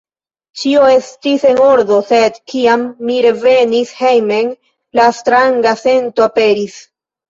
Ĉio estis en ordo, sed kiam mi revenis hejmen, la stranga sento aperis.